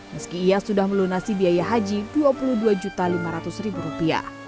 meski ia sudah melunasi biaya haji rp dua puluh dua lima ratus